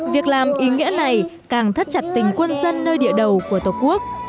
việc làm ý nghĩa này càng thắt chặt tình quân dân nơi địa đầu của tổ quốc